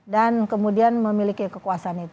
kemudian memiliki kekuasaan itu